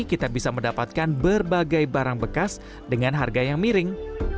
kita bisa mendapatkan berbagai barang bekas dengan harga yang miring